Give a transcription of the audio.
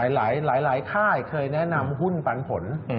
หลายค่ายเคยแนะนำหุ้นปันผล